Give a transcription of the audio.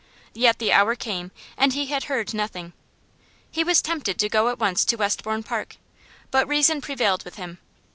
Yet the hour came, and he had heard nothing. He was tempted to go at once to Westbourne Park, but reason prevailed with him.